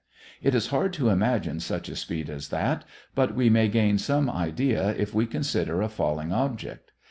It is hard to imagine such a speed as that, but we may gain some idea if we consider a falling object.